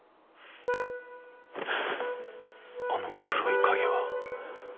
あの黒い影は。